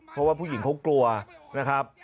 เพราะว่าผู้หญิงเขากลัวนะครับ